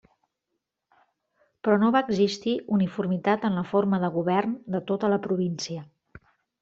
Però no va existir uniformitat en la forma de govern de tota la província.